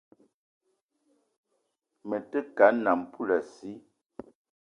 Me te ke a nnam poulassi